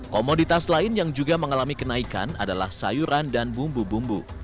komoditas lain yang juga mengalami kenaikan adalah sayuran dan bumbu bumbu